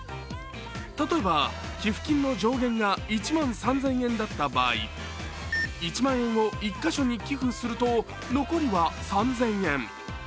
例えば、寄付金の上限が１万３０００円だった場合、１万円を１か所に寄付すると残りは３０００円。